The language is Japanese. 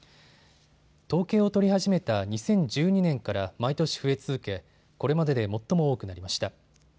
統計を取り始めた２０１２年から毎年増え続け、これまでで最も多くなりました。